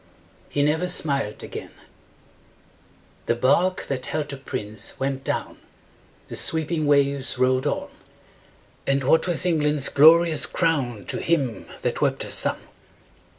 HE NEVER SMILED AGAIN. The bark that held the prince went down, The sweeping waves rolled on; And what was England's glorious crown To him that wept a son?